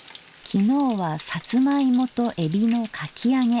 昨日はさつまいもとえびのかき揚げ。